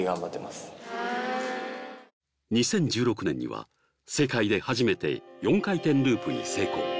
２０１６年には世界で初めて４回転ループに成功